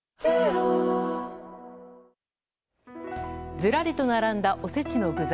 ずらりと並んだ、おせちの具材。